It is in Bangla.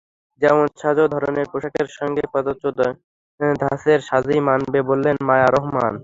যেমন সাজএ ধরনের পোশাকের সঙ্গে পাশ্চাত্য ধাঁচের সাজই মানাবে, বললেন মায়া রহমান।